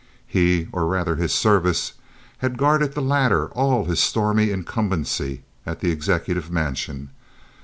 He, or rather his service, had guarded the latter all his stormy incumbency at the executive mansion.